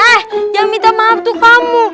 ah yang minta maaf tuh kamu